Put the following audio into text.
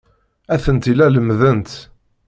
Atenti la lemmdent.